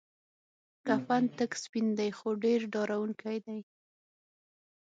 کفن تک سپین دی خو ډیر ډارونکی دی.